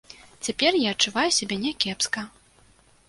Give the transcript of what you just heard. Цяпер я адчуваю сябе някепска.